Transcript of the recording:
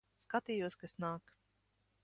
Skatījos, kas nāk.